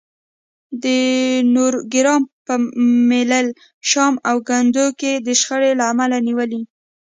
د نورګرام په ملیل، شام او کندو کې د شخړې له امله نیولي